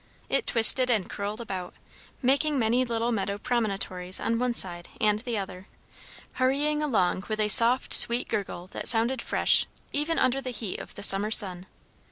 It twisted and curled about, making many little meadow promontories on one side and the other; hurrying along with a soft, sweet gurgle that sounded fresh, even under the heat of the summer sun.